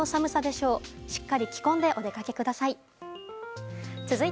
しっかり着込んでお出かけください。